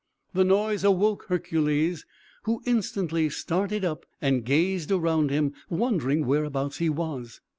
The noise awoke Hercules, who instantly started up and gazed around him, wondering whereabouts he was.